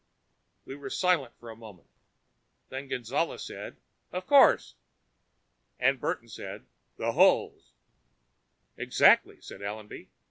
We were silent for a moment. Then Gonzales said, "Of course!" And Burton said, "The holes!" "Exactly," said Allenby.